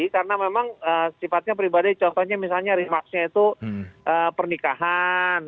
karena memang sifatnya pribadi contohnya misalnya remaksnya itu pernikahan